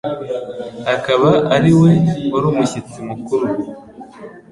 akaba ari we wari umushyitsi mukuru